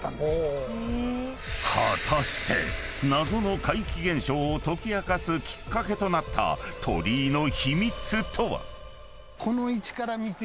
［果たして謎の怪奇現象を解き明かすきっかけとなった鳥居の秘密とは？］